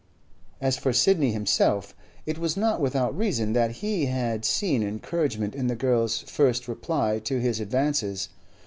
As for Sidney himself, it was not without reason that he had seen encouragement in the girl's first reply to his advances.